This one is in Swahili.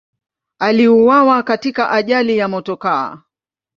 Aliuawa katika ajali ya motokaa.